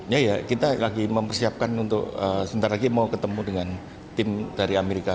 ya kita lagi mempersiapkan untuk sebentar lagi mau ketemu dengan tim dari amerika